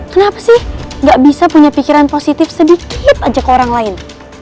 kenapa sih gak bisa punya pikiran positif sedikit aja ke orang lain